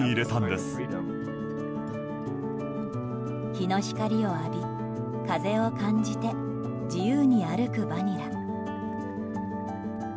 日の光を浴び、風を感じて自由に歩くバニラ。